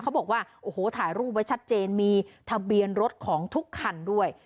เขาบอกว่าโอ้โหถ่ายรูปไว้ชัดเจนมีทะเบียนรถของทุกคันด้วย